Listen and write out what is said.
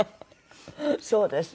そうですね。